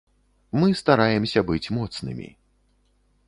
Мы стараемся быць моцнымі.